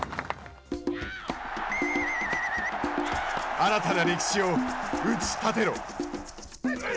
新たな歴史を打ち立てろ！